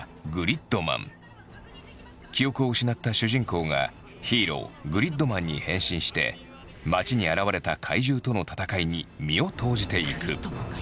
記憶を失った主人公がヒーローグリッドマンに変身して街に現れた怪獣との戦いに身を投じていく。